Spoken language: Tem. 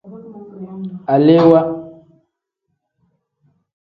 Alewaa.